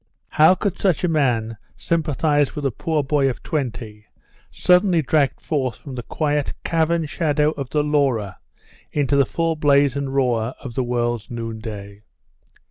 How could such a man sympathise with the poor boy of twenty, suddenly dragged forth from the quiet cavern shadow of the Laura into the full blaze and roar of the world's noonday?